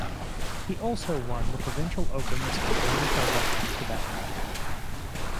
He also won the provincial opens of Manitoba and Quebec.